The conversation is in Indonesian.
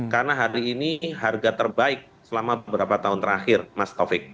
karena hari ini harga terbaik selama beberapa tahun terakhir mas taufik